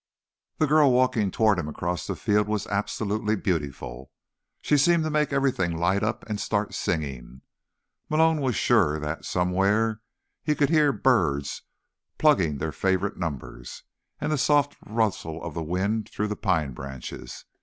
The girl walking toward him across the field was absolutely beautiful. She seemed to make everything light up and start singing. Malone was sure that, somewhere, he could hear birds plugging their favorite numbers, and the soft rustle of the wind through pine branches.